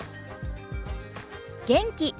元気。